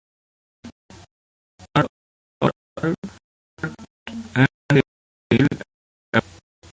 The corners of the tower are chamfered and contain shells above them.